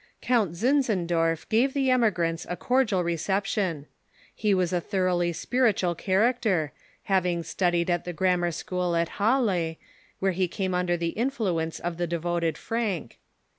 Count Zinzendorf gave tbe emigrants a cordial reception. He was a tborougbly spiritual character, having studied at tbe grammar school at Halle, where be came under tbe influ ence of tbe devoted Francke.